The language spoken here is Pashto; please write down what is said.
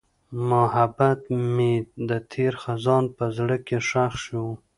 محبت مې د تېر خزان په زړه کې ښخ شو.